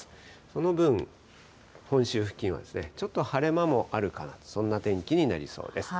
その分、本州付近は、ちょっと晴れ間もあるかなと、そんな天気になりそうです。